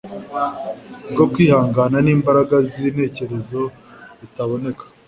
bwo kwihangana n’imbaraga z’intekerezo bitaboneka